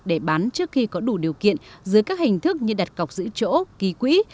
để bán trước khi có đủ điều kiện dưới các hình thức như đặt cọc giữ chỗ ký quỹ